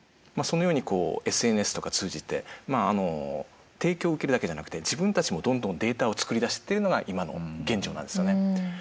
そのようにＳＮＳとか通じて提供を受けるだけじゃなくて自分たちもどんどんデータを作り出すっていうのが今の現状なんですよね。